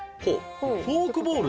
「フォークボール。